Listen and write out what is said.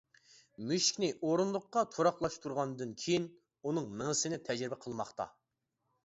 مۈشۈكنى ئورۇندۇققا تۇراقلاشتۇرغاندىن كىيىن ئۇنىڭ مېڭىسىنى تەجرىبە قىلماقتا.